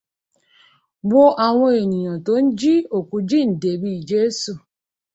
Wo àwọn èèyàn tó ń jí òkú jíǹde bíi Jésù